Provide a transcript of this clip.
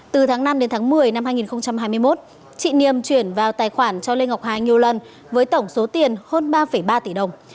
từ tháng năm đến tháng một mươi năm hai nghìn hai mươi một chị niềm chuyển vào tài khoản cho lê ngọc hà nhiều lần với tổng số tiền hơn ba ba tỷ đồng